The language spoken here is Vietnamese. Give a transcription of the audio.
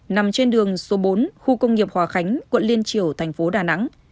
nằm trên đường số bốn khu công nghiệp hòa khánh quận liên triều tp đà nẵng